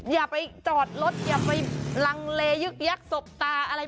อย่าไปจอดรถอย่าไปลังเลยึกยักษบตาอะไร